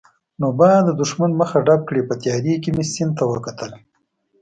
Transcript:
نو باید د دښمن مخه ډب کړي، په تیارې کې مې سیند ته وکتل.